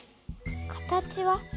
形は？